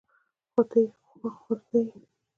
خو ته يې خورزه يې.